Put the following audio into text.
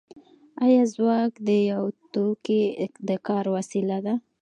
آیا ځواک د یو توکي د کار وسیله ده